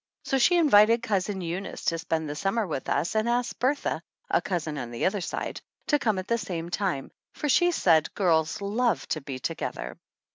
So she invited Cousin Eunice to spend the summer with us and asked Bertha, a cousin on the other side, to come at the same time, for she said girls love to be together.